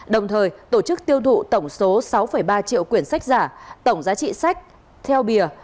đồng thời tổ chức tiêu thụ tổng số sáu ba triệu quyển sách giả tổng giá trị sách theo bìa